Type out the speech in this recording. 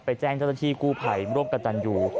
ไปแจ้งเจ้าตัวที่กูภัยร่วมกับจันทร์อยู่